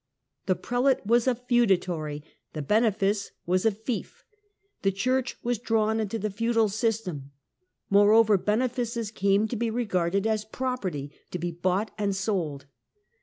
The prelate was a feudatory, the benefice was a fief. The Church was drawn into the feudal system. Moreover, benefices came to be regarded as property, to be bought and sold.